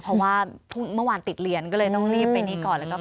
เพราะว่าเมื่อวานติดเรียนก็เลยต้องรีบไปนี้ก่อน